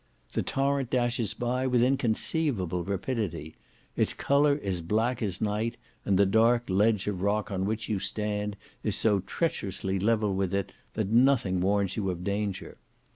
The torrent dashes by with inconceivable rapidity; its colour is black as night, and the dark ledge of rock on which you stand, is so treacherously level with it, that nothing warns you of danger.